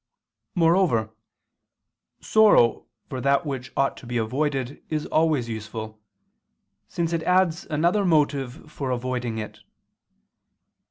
Moreover, sorrow for that which ought to be avoided is always useful, since it adds another motive for avoiding it.